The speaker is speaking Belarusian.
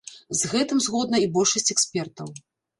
З гэтым згодна і большасць экспертаў.